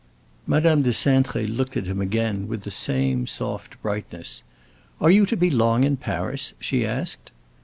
Madame de Cintré looked at him again, with the same soft brightness. "Are you to be long in Paris?" she asked.